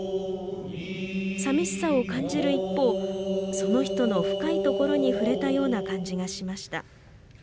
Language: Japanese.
寂しさを感じる一方その人の深いところに触れたような感じがしました。